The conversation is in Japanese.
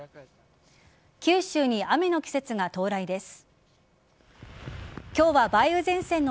九州に雨の季節が到来です。